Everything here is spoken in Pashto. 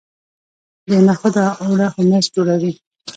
د نخودو اوړه هومس جوړوي.